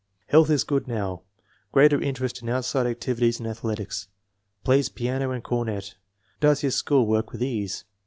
Health is good now. Greater interest in outside activities and athletics. Plays piano and cornet. Does his school work with ease.